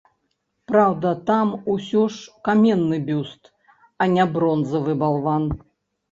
Праўда, там усё ж каменны бюст, а не бронзавы балван.